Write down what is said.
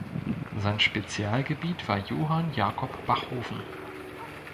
Sein Spezialgebiet war Johann Jakob Bachofen.